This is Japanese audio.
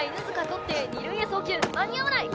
捕って二塁へ送球間に合わない！